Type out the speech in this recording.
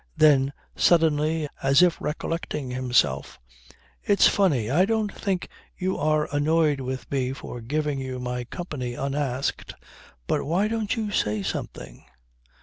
Then suddenly as if recollecting himself: "It's funny. I don't think you are annoyed with me for giving you my company unasked. But why don't you say something?"